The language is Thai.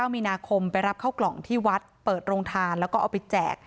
มีนาคมไปรับเข้ากล่องที่วัดเปิดโรงทานแล้วก็เอาไปแจก